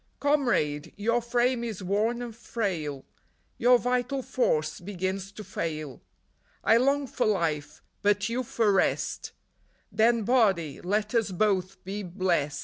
" Comrade ! your frame is worn and frail ; Your vital force begins to fail ; I long for life, but you for rest ; Then, Body, let us both be blest.